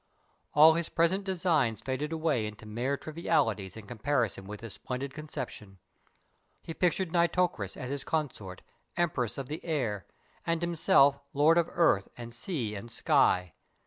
All his present designs faded away into mere trivialities in comparison with this splendid conception. He pictured Nitocris, as his consort, Empress of the air, and himself Lord of earth and sea and sky.